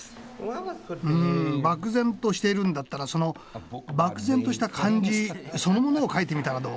うん漠然としているんだったらその漠然とした感じそのものを描いてみたらどう？